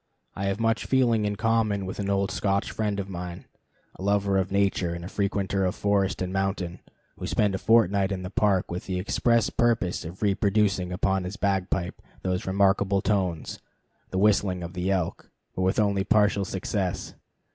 I have much feeling in common with an old Scotch friend of mine, a lover of nature and a frequenter of forest and mountain, who spent a fortnight in the Park with the express purpose of reproducing upon his bagpipe those remarkable notes, the whistling of the elk, but with only partial success.